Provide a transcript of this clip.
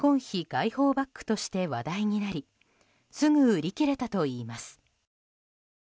外訪バッグとして話題になりすぐ売り切れたといいます。